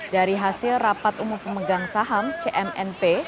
dari hasil rapat umum pemegang saham cmnp